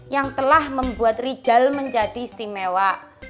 yang telah membuat rijal menjadi istimewa